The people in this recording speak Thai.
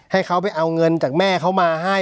ให้เขาไปเอาเงินจากแม่เขามาให้